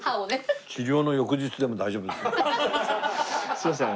すいません。